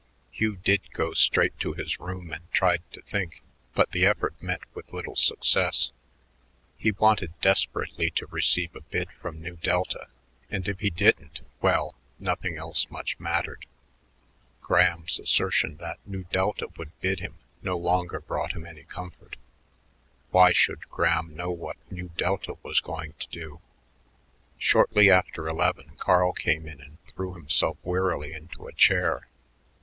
Hugh did go straight to his room and tried to think, but the effort met with little success. He wanted desperately to receive a bid from Nu Delta, and if he didn't well, nothing else much mattered. Graham's assertion that Nu Delta would bid him no longer brought him any comfort. Why should Graham know what Nu Delta was going to do? Shortly after eleven Carl came in and threw himself wearily into a chair.